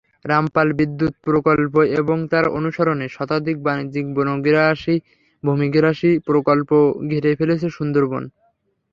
রামপাল বিদ্যুৎ প্রকল্প এবং তার অনুসরণে শতাধিক বাণিজ্যিক বনগ্রাসী-ভূমিগ্রাসী প্রকল্প ঘিরে ফেলেছে সুন্দরবন।